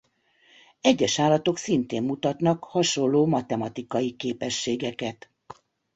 Egyes állatok szintén mutatnak hasonló matematikai képességeket.